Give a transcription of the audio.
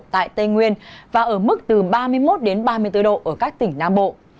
tại tây nguyên và ở mức từ ba mươi một ba mươi bốn độ ở các tỉnh nam bộ